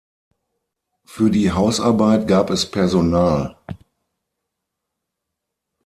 Für die Hausarbeit gab es Personal.